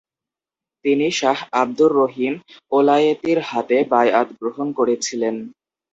তিনি শাহ আব্দুর রহিম ওলায়েতীর হাতে বায়আত গ্রহণ করেছিলেন।